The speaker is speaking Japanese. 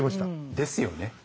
「ですよね」